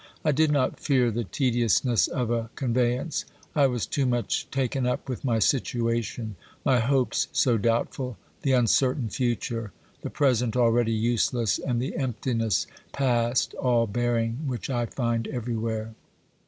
I did not fear the tediousness of a convey OBERMANN 17 ance; I was too much taken up with my situation, my hopes so doubtful, the uncertain future, the present already useless, and the emptiness past all bearing which I find everywhere.